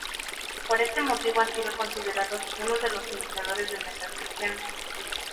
Por este motivo han sido considerados uno de los iniciadores del metal cristiano.